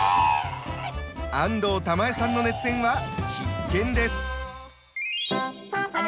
安藤玉恵さんの熱演は必見です。